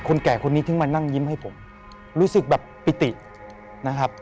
แก่คนนี้ถึงมานั่งยิ้มให้ผมรู้สึกแบบปิตินะครับ